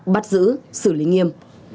bắt giữ xử lý nghiêm